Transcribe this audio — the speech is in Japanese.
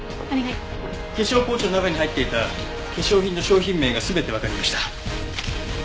化粧ポーチの中に入っていた化粧品の商品名が全てわかりました。